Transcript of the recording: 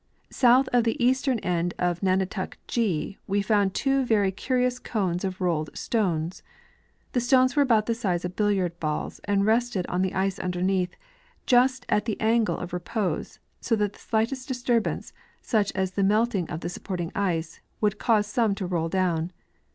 South of the eastern end of nunatak G we fop.nd tAvo very curious cones of rolled stones. The stones Avere about the size of billiard balls and rested on the ice underneath just at the angle of repose, so that the slightest disturbance, such as a little melting of the supporting ice, Avould cause some to roll doAvn.